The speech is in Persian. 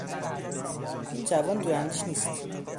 این جوان دوراندیش نیست.